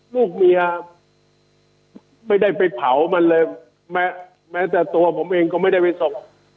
ลูกเมียไม่ได้ไปเผามันเลยแม้แต่ตัวผมเองก็ไม่ได้ไปส่ง